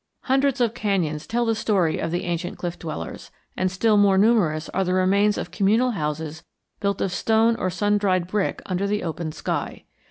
Hundreds of canyons tell the story of the ancient cliff dwellers; and still more numerous are the remains of communal houses built of stone or sun dried brick under the open sky.